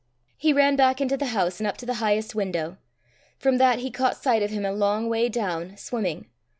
He ran back into the house, and up to the highest window. From that he caught sight of him a long way down, swimming.